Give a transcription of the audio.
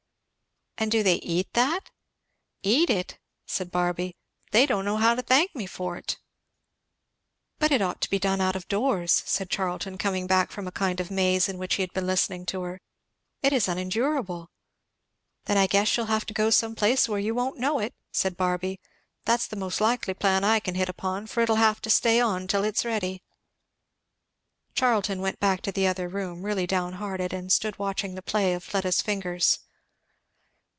"And do they eat that?" "Eat it!" said Barby. "They don't know how to thank me for't!" "But it ought to be done out of doors," said Charlton, coming back from a kind of maze in which he had been listening to her. "It is unendurable!" "Then I guess you'll have to go some place where you won't know it," said Barby; "that's the most likely plan I can hit upon; for it'll have to stay on till it's ready." Charlton went back into the other room really down hearted, and stood watching the play of Fleda's fingers.